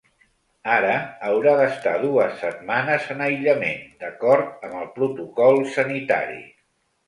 Ara haurà d’estar dues setmanes en aïllament, d’acord amb el protocol sanitari.